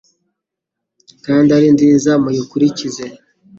kandi ari nziza; muyikurikize.”